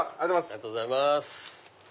ありがとうございます。